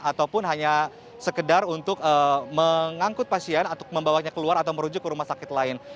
ataupun hanya sekedar untuk mengangkut pasien atau membawanya keluar atau merujuk ke rumah sakit lain